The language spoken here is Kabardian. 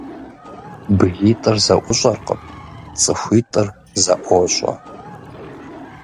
БгитIыр зэIущIэркъым, цIыхуитIыр зэIуощIэ.